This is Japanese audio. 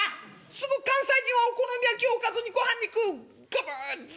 「すぐ関西人はお好み焼きをおかずにごはんを食う。ガブズ」。